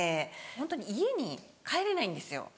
ホントに家に帰れないんですよ